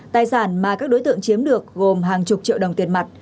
tài sản mà các đối tượng chiếm được gồm hàng chục triệu đồng tiền mặt